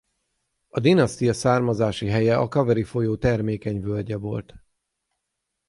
A dinasztia származási helye a Kaveri-folyó termékeny völgye volt.